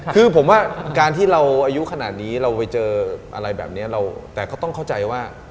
คือผมว่าการที่เราอายุขนาดนี้เราไปเจออะไรแบบนี้แต่ก็ต้องเข้าใจว่า